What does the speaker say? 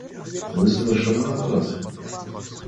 Вы совершенно напрасно.